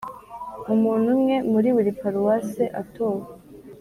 Umuntu umwe muri buri paruwase atowe